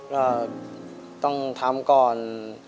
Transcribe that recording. ก็ต้องทำก่อน